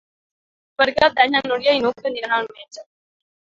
Per Cap d'Any na Núria i n'Hug aniran al metge.